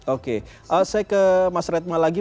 oke saya ke mas retma lagi